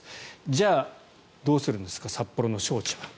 じゃあ、どうするんですか札幌の招致は。